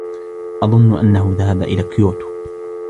أظن أنه ذهب إلى كيوتو.